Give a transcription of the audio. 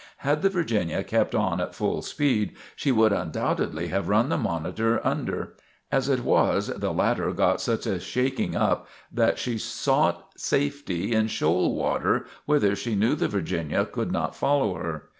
Had the "Virginia" kept on at full speed, she would undoubtedly have run the "Monitor" under. As it was, the latter got such a shaking up that she sought safety in shoal water whither she knew the "Virginia" could not follow her.